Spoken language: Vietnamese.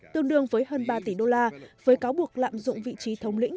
tương đương với hơn ba tỷ usd với cáo buộc lạm dụng vị trí thống lĩnh